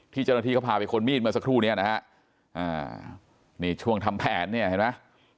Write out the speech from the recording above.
เจ้าหน้าที่เขาพาไปค้นมีดเมื่อสักครู่นี้นะฮะนี่ช่วงทำแผนเนี่ยเห็นไหม